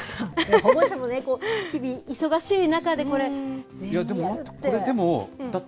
保護者もね、日々、忙しい中でこれ、全部やって。